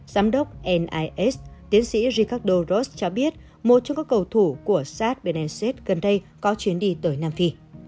giám đốc nis tiến sĩ ricardo ross cho biết một trong các cầu thủ của sars bionicid gần đây có chuyến đi tới nam phi